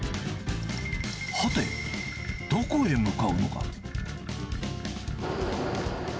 はて、どこへ向かうのか。